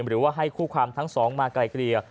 หรือว่าให้คู่ความทั้งสองมาไกลเกลี่ย